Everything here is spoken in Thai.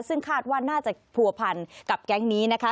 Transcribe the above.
ซึ่งคาดว่าน่าจะผัวพันกับแก๊งนี้นะคะ